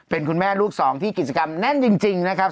เป็นคุณแม่ลูกสองที่กิจกรรมแน่นจริงนะครับ